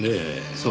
そう。